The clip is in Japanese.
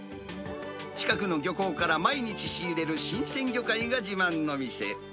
近くの漁港から毎日仕入れる新鮮魚介が自慢の店。